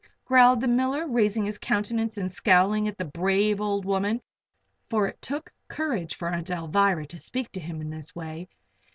growled the miller, raising his countenance and scowling at the brave old woman for it took courage for Aunt Alvirah to speak to him in this way.